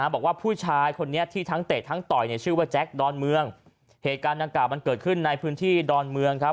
บอกว่าผู้ชายคนนี้ที่ทั้งเตะทั้งต่อยเนี่ยชื่อว่าแจ็คดอนเมืองเหตุการณ์ดังกล่ามันเกิดขึ้นในพื้นที่ดอนเมืองครับ